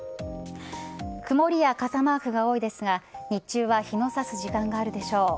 曇りや傘マークが多いですが日中は日の差す時間があるでしょう。